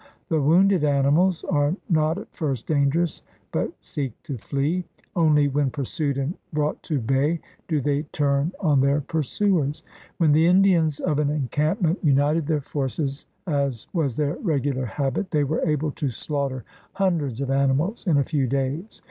The wounded animals are not at first dangerous but seek to flee. Only when pursued and brought to bay do they turn on their pursuers. When the Indians of an encamp ment united their forces, as was their regular habit, they were able to slaughter hundreds of animals in a few days.